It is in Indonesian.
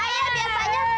eh eh saya biasanya